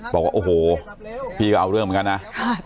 บอกว่าโอ้โหพี่ก็เอาเรื่องเหมือนกันนะ